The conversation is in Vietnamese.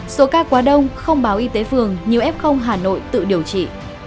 số ca quá đông không báo y tế phường nhiều f hà nội tự điều trị